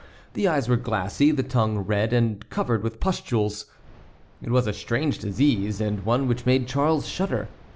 The eyes were glassy, the tongue red and covered with pustules. It was a strange disease, and one which made Charles shudder.